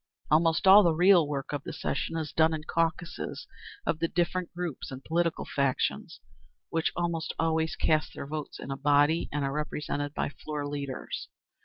Almost all the real work of the session is done in caucuses of the different groups and political factions, which almost always cast their votes in a body and are represented by floor leaders.